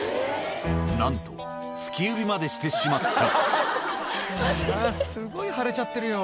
なんと突き指までしてしまったあぁすごい腫れちゃってるよ。